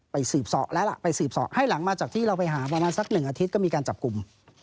ไปสืบเสาะแล้วล่ะไปสืบเสาะให้หลังมาจากที่เราไปหาประมาณสักหนึ่งอาทิตย์ก็มีการจับกลุ่ม